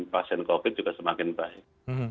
pasien covid juga semakin baik